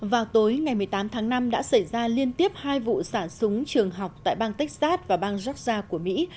vào tối ngày một mươi tám tháng năm đã xảy ra liên tiếp hai vụ sản súng trường học tại bang texas và bang georgia của mỹ